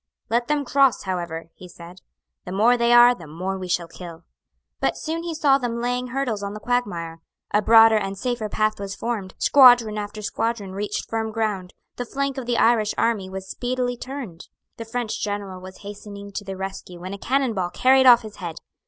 "Let them cross, however;" he said. "The more they are, the more we shall kill." But soon he saw them laying hurdles on the quagmire. A broader and safer path was formed; squadron after squadron reached firm ground: the flank of the Irish army was speedily turned. The French general was hastening to the rescue when a cannon ball carried off his head.